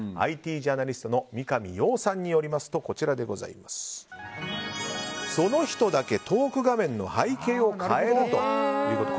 ＩＴジャーナリストの三上洋さんによりますとその人だけトーク画面の背景を変えるということ。